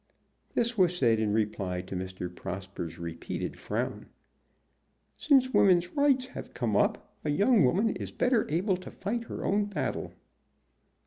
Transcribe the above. This was said in reply to Mr. Prosper's repeated frown. "Since woman's rights have come up a young woman is better able to fight her own battle."